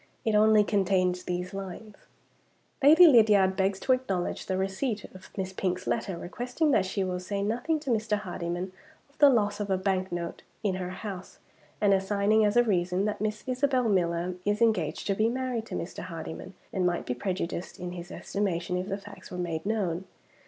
It only contained these lines: "Lady Lydiard begs to acknowledge the receipt of Miss Pink's letter requesting that she will say nothing to Mr. Hardyman of the loss of a bank note in her house, and, assigning as a reason that Miss Isabel Miller is engaged to be married to Mr. Hardyman, and might be prejudiced in his estimation if the facts were made known.